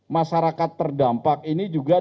masyarakat terdampak ini juga